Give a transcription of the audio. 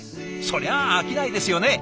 そりゃあ飽きないですよね。